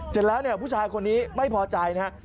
เสร็จแล้วเนี่ยผู้ชายคนนี้ไม่พอใจนะครับ